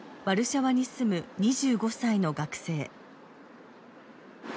ワルシャワに住む２５歳の学生。